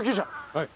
はい。